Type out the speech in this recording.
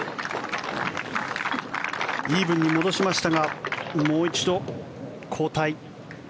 イーブンに戻しましたがもう一度後退。